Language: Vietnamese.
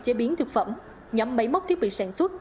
chế biến thực phẩm nhóm bấy mốc thiết bị sản xuất